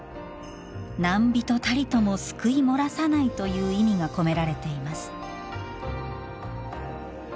何人たりとも救い漏らさないという意味が込められています。